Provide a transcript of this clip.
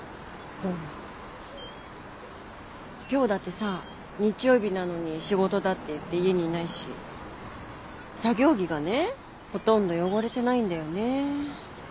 今日だってさ日曜日なのに仕事だって言って家にいないし作業着がねほとんど汚れてないんだよね。